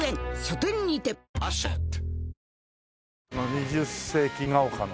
二十世紀が丘の。